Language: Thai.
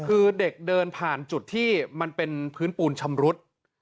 คือเด็กเดินผ่านจุดที่มันเป็นพื้นปูนชำรุด